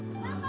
masa ini pak